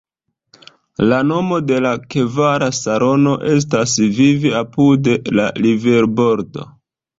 La nomo de la kvara salono estas "Vivi apud la riverbordo".